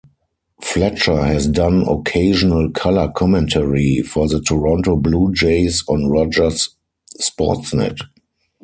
Fletcher has done occasional color commentary for the Toronto Blue Jays on Rogers Sportsnet.